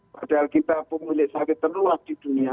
padahal kita pemilik sawit terluas di dunia